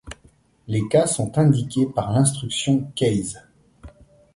Les cas sont indiqués par l'instruction case.